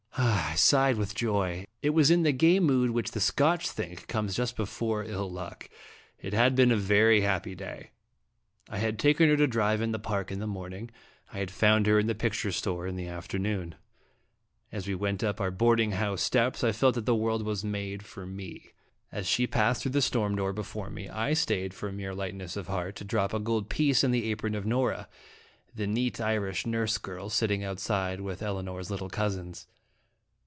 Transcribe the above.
I sighed with joy. I was in the gay mood which the Scotch think comes just before ill luck. It had been a very happy day. I had taken her to drive in the Park in the morning ; I had found her in the picture store in the afternoon. As we went up our boarding house steps, I felt that the world was made for me. As she passed through the storm door before me, I stayed for mere lightness of heart to drop a gold piece in the apron of Nora, the neat Irish nurse girl, sitting outside with Eli nor's little cousins.